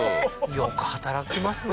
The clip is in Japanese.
よく働きますね